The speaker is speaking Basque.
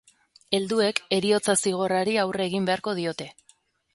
Helduek heriotza-zigorrari aurre egin beharko diote.